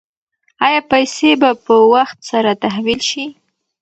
ایا پیسې به په وخت سره تحویل شي؟